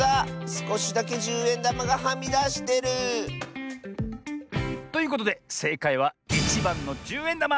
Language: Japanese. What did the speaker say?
すこしだけじゅうえんだまがはみだしてる！ということでせいかいは１ばんのじゅうえんだま！